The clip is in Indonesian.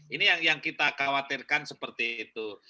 ini yang kita khawatirkan seperti itu